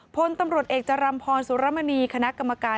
พลตำรวจเอกจรัมพรสุรมณีคณะกรรมการ